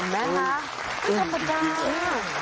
อ๋อแม้งนะไม่ชัดประตา